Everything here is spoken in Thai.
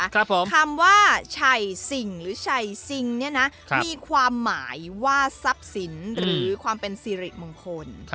คำว่าชัยสิ่งหรือชัยซิงเนี่ยนะมีความหมายว่าทรัพย์สินหรือความเป็นสิริมงคล